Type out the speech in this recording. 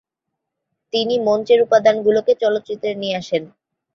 তিনি মঞ্চের উপাদানগুলো চলচ্চিত্রে নিয়ে আসেন।